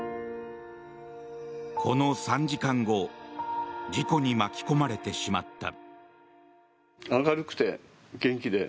この３時間後事故に巻き込まれてしまった。